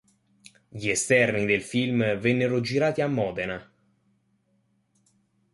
Gli esterni del film vennero girati a Modena.